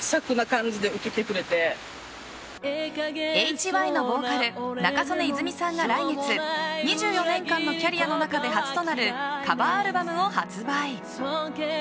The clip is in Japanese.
ＨＹのボーカル仲宗根泉さんが来月、２４年間のキャリアの中で初となるカバーアルバムを発売。